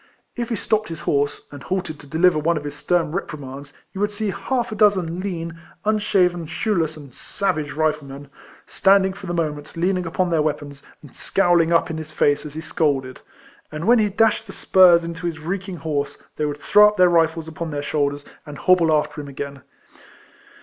If he stopped his horse, and halted to deliver one of his stern reprimands, you would see half a dozen lean, unshaven, shoeless, and savage Riflemen, standing for the moment leaning upon their weapons, and scowling up in his face as he scolded •, and when he dashed the spurs into his reek ing horse, they would throw up their rifles upon their shoulders, and hobble after him again.